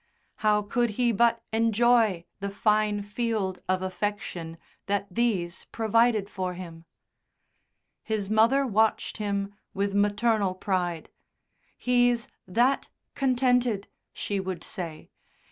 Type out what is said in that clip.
How could he but enjoy the fine field of affection that these provided for him? His mother watched him with maternal pride. "He's that contented!" she would say.